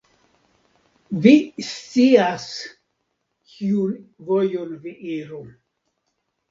Vi scias, kiun vojon vi iru.